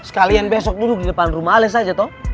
sekalian besok duduk di depan rumah ales saja toh